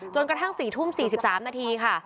กระทั่ง๔ทุ่ม๔๓นาทีค่ะ